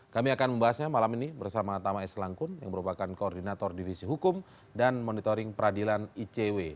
kami akan membahasnya malam ini bersama tama s langkun yang merupakan koordinator divisi hukum dan monitoring peradilan icw